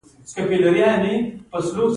پۀ پښتو ادب کښې د ماسټر ډګري حاصله کړه ۔